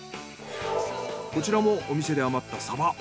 こちらもお店で余ったサバ。